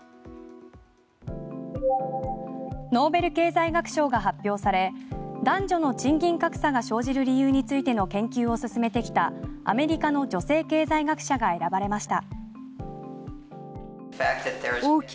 ノーベル経済学賞が発表され男女の賃金格差が生じる理由についての研究を進めてきたアメリカの女性経済学者が選ばれました。